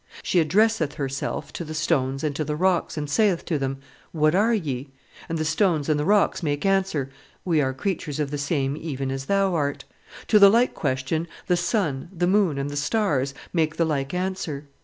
She addresseth herself to the stones and to the rocks, and saith to them, 'What are ye?' And the stones and the rocks make answer, 'We are creatures of the same even as thou art.' To the like question the sun, the moon, and the stars make the like answer.